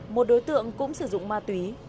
một đối tượng cũng sử dụng ma túy